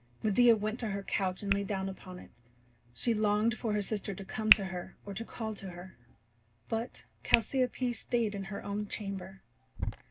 Medea went to her couch and lay down upon it. She longed for her sister to come to her or to call to her. But Chalciope stayed in her own chamber.